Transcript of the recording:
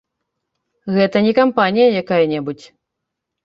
Гэта не кампанія якая-небудзь.